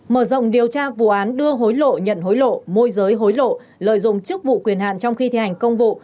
mở rộng điều tra vụ án đưa hối lộ nhận hối lộ môi giới hối lộ lợi dụng chức vụ quyền hạn trong khi thi hành công vụ